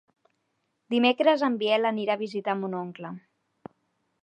Dimecres en Biel anirà a visitar mon oncle.